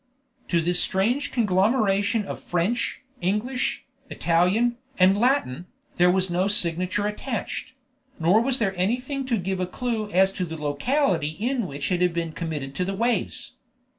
To this strange conglomeration of French, English, Italian, and Latin, there was no signature attached; nor was there anything to give a clue as to the locality in which it had been committed to the waves.